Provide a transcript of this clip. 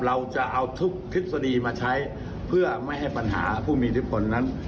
เราจะเอาทุกทฤษฎีมาใช้เพื่อไม่ให้ปัญหาผู้มีอิทธิพลนั้น